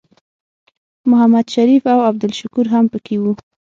محمد شریف او عبدالشکور هم پکې وو.